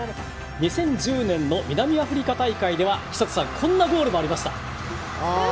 ２０１０年の南アフリカ大会では寿人さんこんなゴールもありました。